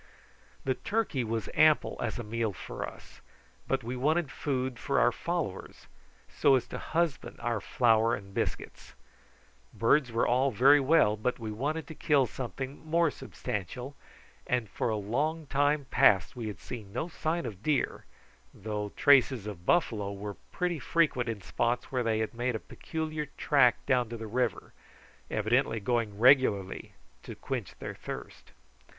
The turkey was ample as a meal for us, but we wanted food for our followers, so as to husband our flour and biscuits. Birds were all very well, but we wanted to kill something more substantial, and for a long time past we had seen no sign of deer, though traces of buffalo were pretty frequent in spots where they had made a peculiar track down to the river, evidently going regularly to quench their thirst.